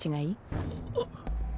あっ。